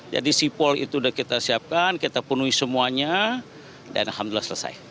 jadi sipol itu sudah kita siapkan kita penuhi semuanya dan alhamdulillah selesai